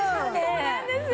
そうなんですよ！